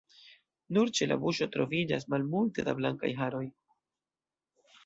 Nur ĉe la buŝo troviĝas malmulte da blankaj haroj.